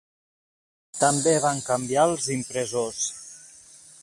També van canviar els impressors.